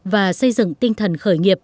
và xây dựng tinh thần khởi nghiệp